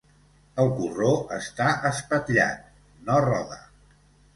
El corró està espatllat: no roda.